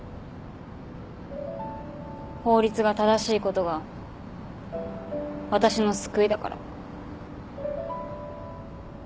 法律が正しいことが私の救いだから。